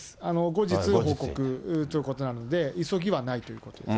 後日報告ということなので、急ぎはないということです。